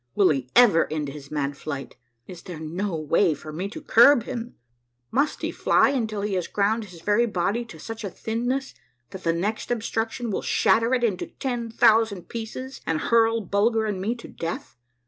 Will he never end his mad flight? Is there no way for me to curb him ? Must he fly until he has ground his very body to such* a thin ness that the next obstruction will shatter it into ten thousand pieces, and hurl Bulger and me to death